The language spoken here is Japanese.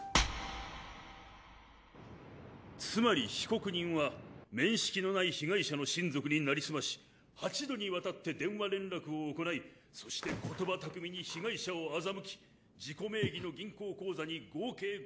つまり被告人は面識のない被害者の親族になりすまし八度にわたって電話連絡を行いそしてことば巧みに被害者を欺き自己名義の銀行口座に合計。